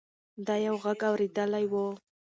ده یو غږ اورېدلی و.